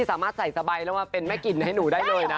สามารถใส่สบายแล้วมาเป็นแม่กลิ่นให้หนูได้เลยนะ